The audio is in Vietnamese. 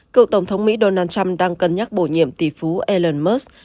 cựu tổng thống mỹ donald trump đang cân nhắc bổ nhiệm tỷ phú elon musk